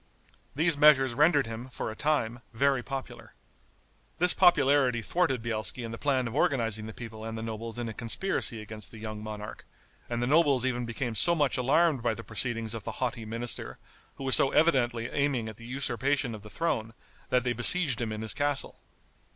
These measures rendered him, for a time, very popular. This popularity thwarted Bielski in the plan of organizing the people and the nobles in a conspiracy against the young monarch, and the nobles even became so much alarmed by the proceedings of the haughty minister, who was so evidently aiming at the usurpation of the throne, that they besieged him in his castle.